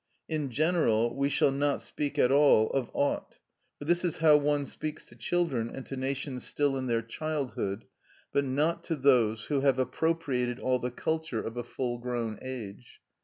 In general, we shall not speak at all of "ought," for this is how one speaks to children and to nations still in their childhood, but not to those who have appropriated all the culture of a full grown age.